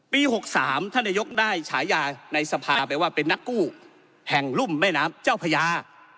๖๓ท่านนายกได้ฉายาในสภาไปว่าเป็นนักกู้แห่งรุ่มแม่น้ำเจ้าพญา